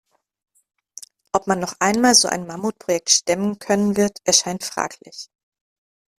Ob man noch einmal so ein Mammutprojekt stemmen können wird, erscheint fraglich.